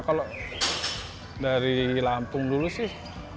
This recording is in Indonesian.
kalau dari lampung dulu sih